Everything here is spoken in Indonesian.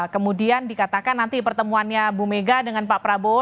kemudian dikatakan nanti pertemuannya bu mega dengan pak prabowo